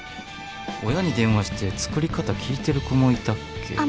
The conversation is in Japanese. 親に電話して作り方聞いてる子もいたっけ